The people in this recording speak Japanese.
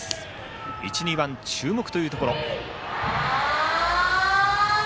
１、２番注目というところ。